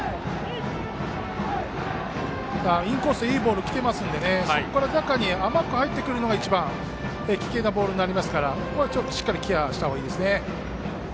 インコースいいボールきていますのでそこから中に甘く入ってくるのが一番危険なボールになりますからここはしっかりケアした方がいいですね。